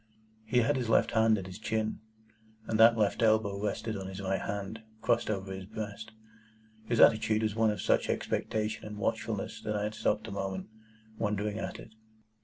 He had his left hand at his chin, and that left elbow rested on his right hand, crossed over his breast. His attitude was one of such expectation and watchfulness that I stopped a moment, wondering at it.